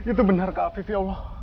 itu benar kak afif ya allah